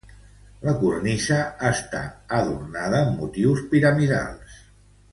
La cornisa està adornada amb motius piramidals.